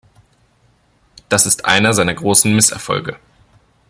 Das ist einer seiner großen Misserfolge.